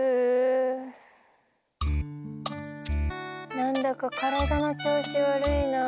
なんだか体の調子悪いなあ。